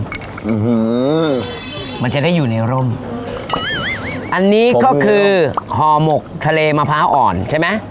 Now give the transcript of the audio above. หือมันจะได้อยู่ในร่มอันนี้ก็คือห่อหมกทะเลมะพร้าวอ่อนใช่ไหม